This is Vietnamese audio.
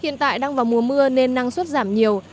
hiện tại đang vào mùa mưa nên năng suất giảm nhiều